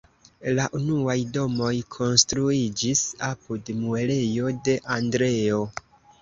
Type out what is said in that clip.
La unuaj domoj konstruiĝis apud muelejo de "Andreo".